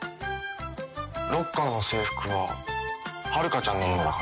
ロッカーの制服ははるかちゃんのものだが。